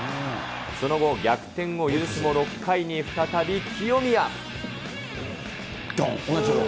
その後、逆転を許すも、６回に再び清宮。